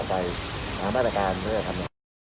โปรดติดตามตอนต่อไป